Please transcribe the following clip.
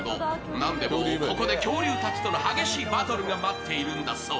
何でもここで恐竜たちとの激しいバトルが待っているんだそう。